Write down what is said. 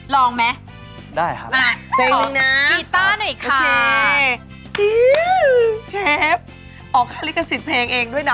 ลองไหมได้ครับขอกีต้าหน่อยค่ะโอเคเชฟออกคลิกสิทธิ์เพลงเองด้วยนะ